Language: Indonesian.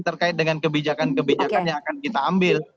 terkait dengan kebijakan kebijakan yang akan kita ambil